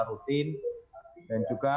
rutin dan juga